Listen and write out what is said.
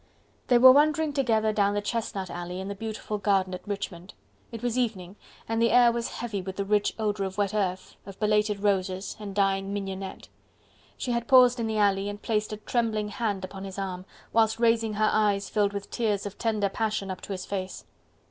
They were wandering together down the chestnut alley in the beautiful garden at Richmond. It was evening, and the air was heavy with the rich odour of wet earth, of belated roses and dying mignonette. She had paused in the alley, and placed a trembling hand upon his arm, whilst raising her eyes filled with tears of tender passion up to his face.